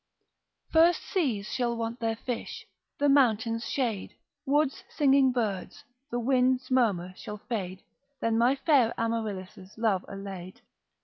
First seas shall want their fish, the mountains shade Woods singing birds, the wind's murmur shall fade, Than my fair Amaryllis' love allay'd.